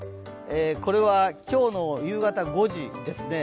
これは今日の夕方５時ですね。